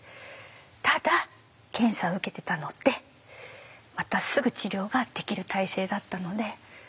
ただ検査を受けてたのでまたすぐ治療ができる体制だったので迷わず受けました。